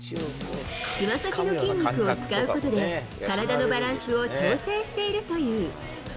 つま先の筋肉を使うことで、体のバランスを調整しているという。